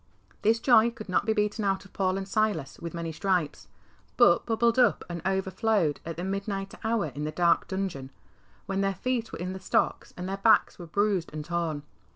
This joy could not be beaten out of Paul and Silas with many stripes, but bubbled up and overflowed at the midnight hour in the dark dungeon, when their feet were in the stocks and their backs were bruised and torn.